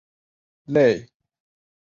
泪之宝石可以让持有者心想事成。